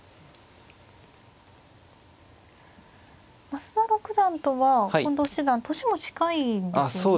増田六段とは近藤七段年も近いんですよね。